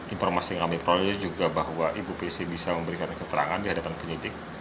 informasi yang kami peroleh juga bahwa ibu pc bisa memberikan keterangan di hadapan penyidik